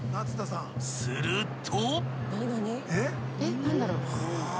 ［すると］